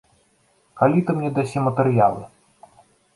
Калі ты мне дасі матэрыялы?